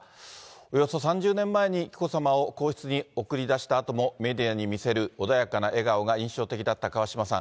およそ３０年前に紀子さまを皇室に送り出したあとも、メディアに見せる穏やかな笑顔が印象的だった川嶋さん。